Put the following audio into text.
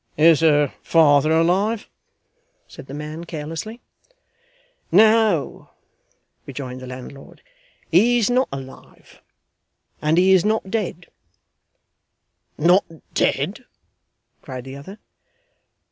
'Is her father alive?' said the man, carelessly. 'No,' rejoined the landlord, 'he is not alive, and he is not dead ' 'Not dead!' cried the other.